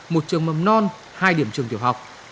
một trường mầm non hai điểm trường tiểu học